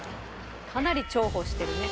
かなり重宝してるね。